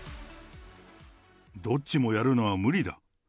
どっちもやるのは無理だ。